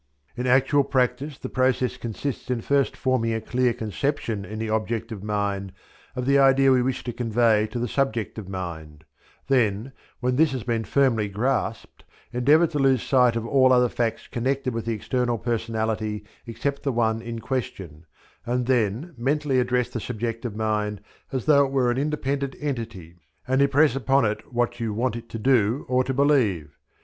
In actual practice the process consists in first forming a clear conception in the objective mind of the idea we wish to convey to the subjective mind: then, when this has been firmly grasped, endeavour to lose sight of all other facts connected with the external personality except the one in question, and then mentally address the subjective mind as though it were an independent entity and impress upon it what you want it to do or to believe.